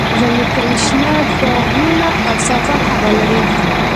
زموږ کلی شنه باغونه او صافه هوا لري.